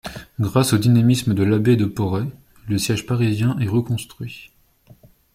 Grâce au dynamisme de l’abbé de Poret le siège parisien est reconstruit.